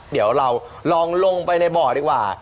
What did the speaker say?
เดี๋ยวเราลองลงไปในบ่อดีกว่า